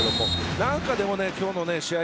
何か、でも今日の試合